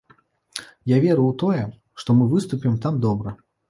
Я веру ў тое, што мы выступім там добра.